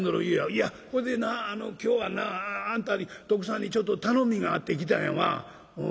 「いやほいでな今日はなあんたに徳さんにちょっと頼みがあって来たんやわ」。